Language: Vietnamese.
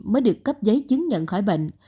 mới được cấp giấy chứng nhận khỏi bệnh